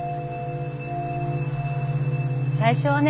最初はね